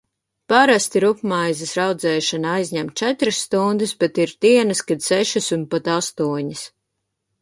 Parasti rupjmaizes raudzēšana aizņem četras stundas, bet ir dienas, kad sešas un pat astoņas.